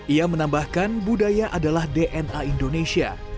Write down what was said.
ia menambahkan budaya adalah dna indonesia